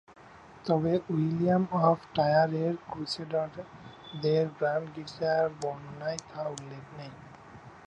তবে, William of Tyre এর ক্রুসেডারদের গ্র্যান্ড গির্জার বর্ণনায়, তা উল্লেখ নেই।